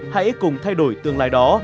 hãy cùng thay đổi tương lai đó